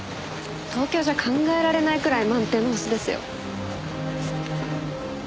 東京じゃ考えられないくらい満天の星ですよ。